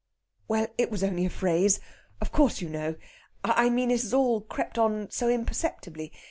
"Well, it was only a phrase. Of course you know. I mean it has all crept on so imperceptibly.